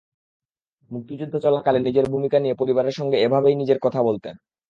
মুক্তিযুদ্ধ চলাকালে নিজের ভূমিকা নিয়ে পরিবারের সঙ্গে এভাবেই নিজের কথা বলতেন।